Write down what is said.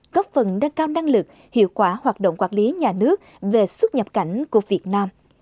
góp phần nâng cao năng lực hiệu quả hoạt động quản lý nhà nước về xuất nhập cảnh của việt nam